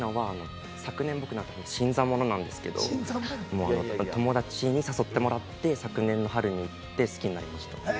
昨年好きになった新参者なんですが、友達に誘ってもらって、昨年の春に行って好きになりました。